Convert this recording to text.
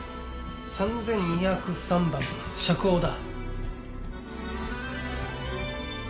３２０３番釈放だ。